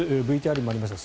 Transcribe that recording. ＶＴＲにもありました